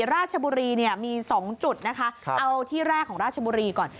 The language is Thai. ราชบุรีเนี่ยมี๒จุดนะคะเอาที่แรกของราชบุรีก่อน